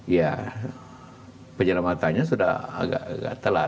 ya penyelamatannya sudah agak telat